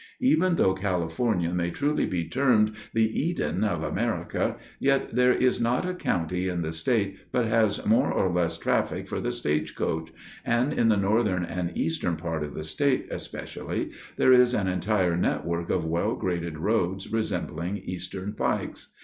Even though California may truly be termed the "Eden" of America, yet there is not a county in the state but has more or less traffic for the stage coach, and in the northern and eastern part of the state, especially, there is an entire network of well graded roads, resembling Eastern pikes.